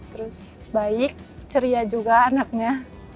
terus baik ceria juga anaknya